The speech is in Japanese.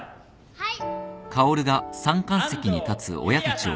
はい。